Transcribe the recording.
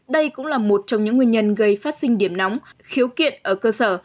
đây cũng là một trong những nguyên nhân gây phát sinh điểm nóng khiếu kiện ở cơ sở